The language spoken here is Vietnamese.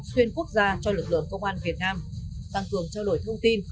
xuyên quốc gia cho lực lượng công an việt nam tăng cường trao đổi thông tin